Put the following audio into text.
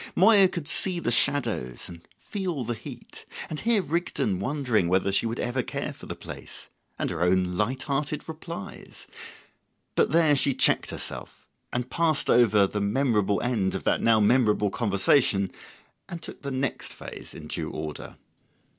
Moya could see the shadows and feel the heat, and hear Rigden wondering whether she would ever care for the place, and her own light hearted replies; but there she checked herself, and passed over the memorable end of that now memorable conversation, and took the next phase in due order.